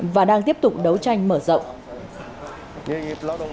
và đang tiếp tục đấu tranh mở rộng